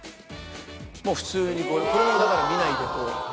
もう普通にこれもだから見ないでこう。